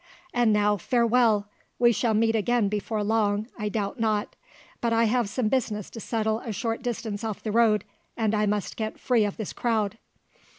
And now, farewell; we shall meet again before long, I doubt not; but I have some business to settle a short distance off the road, and I must get free of this crowd."